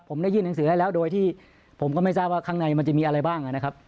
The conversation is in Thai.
ผมได้ยื่นหนังสือให้แล้วโดยที่ผมก็ไม่ทราบว่าข้างในมันจะมีอะไรบ้างนะครับ